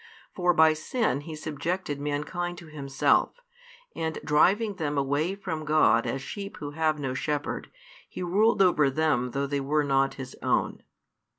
For by sin he subjected mankind to himself, and driving them away from God as sheep who have no shepherd, he ruled over them though they were not his own.